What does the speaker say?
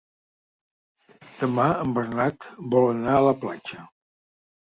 Demà en Bernat vol anar a la platja.